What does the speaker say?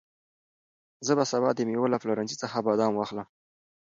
زه به سبا د مېوو له پلورنځي څخه بادام واخلم.